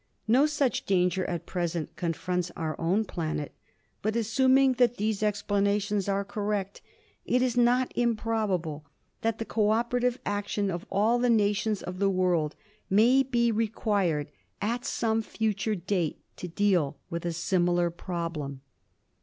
No such danger at present confronts our own planet. But assuming that these explanations are correct, it is not improbable that the cooperative action of all the nations of the world may be required at some future date to deal with a similar problem.